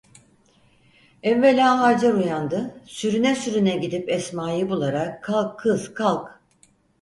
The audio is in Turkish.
Evvela Hacer uyandı, sürüne sürüne gidip Esma'yı bularak: "Kalk kız, kalk…"